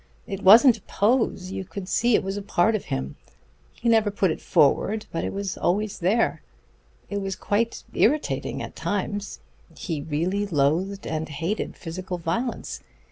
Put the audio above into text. It wasn't a pose; you could see it was a part of him. He never put it forward, but it was there always. It was quite irritating at times.... He really loathed and hated physical violence.